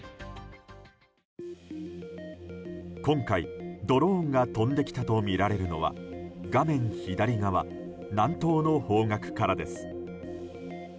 今回、ドローンが飛んできたとみられるのは画面左側、南東の方角からです。